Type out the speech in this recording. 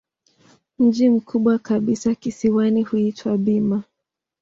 Mji mkubwa kabisa kisiwani huitwa Bima.